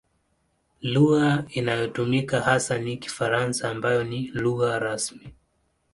Lugha inayotumika hasa ni Kifaransa ambayo ni lugha rasmi.